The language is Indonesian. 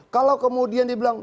kalau kemudian dia bilang